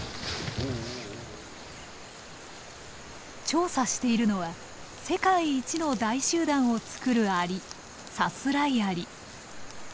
調査しているのは世界一の大集団を作るアリサスライアリ。